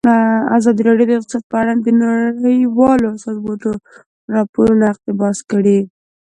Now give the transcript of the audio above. ازادي راډیو د اقتصاد په اړه د نړیوالو سازمانونو راپورونه اقتباس کړي.